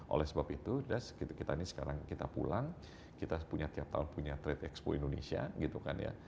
oleh sebab itu kita ini sekarang kita pulang kita punya tiap tahun punya trade expo indonesia gitu kan ya